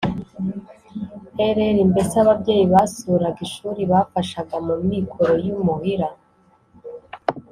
rr mbese ababyeyi basuraga ishuri bafashaga mu mikoro y imuhira